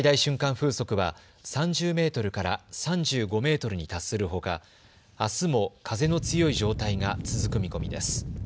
風速は３０メートルから３５メートルに達するほかあすも風の強い状態が続く見込みです。